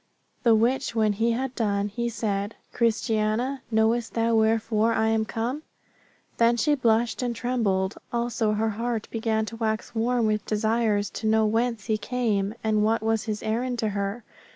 The which when he had done, he said, Christiana, knowest thou wherefore I am come? Then she blushed and trembled, also her heart began to wax warm with desires to know whence he came, and what was his errand to her.